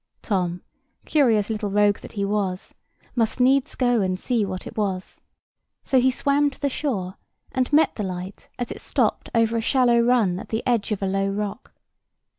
Tom, curious little rogue that he was, must needs go and see what it was; so he swam to the shore, and met the light as it stopped over a shallow run at the edge of a low rock.